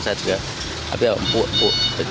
saya juga tapi empuk empuk